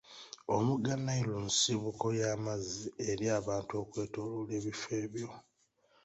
Omugga Nile nsibuko y'amazzi eri abantu okwetooloola ebifo ebyo.